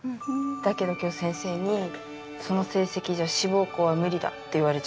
だけど今日先生にその成績じゃ志望校は無理だって言われちゃったよ。